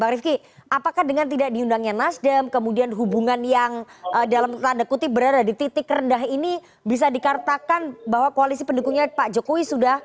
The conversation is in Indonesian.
bang rifki apakah dengan tidak diundangnya nasdem kemudian hubungan yang dalam tanda kutip berada di titik rendah ini bisa dikatakan bahwa koalisi pendukungnya pak jokowi sudah